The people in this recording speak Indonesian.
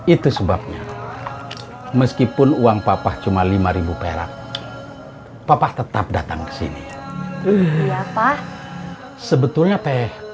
itu sebabnya meskipun uang papa cuma lima ribu perak papa tetap datang ke sini ya pak sebetulnya teh